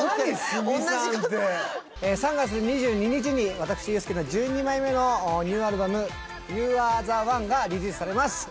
「すみさん」って３月２２日に私遊助の１２枚目のニューアルバム「遊ａｒｅｔｈｅｏｎｅ」がリリースされます